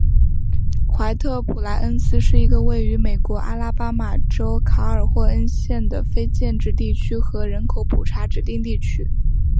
怀特普莱恩斯是一个位于美国阿拉巴马州卡尔霍恩县的非建制地区和人口普查指定地区。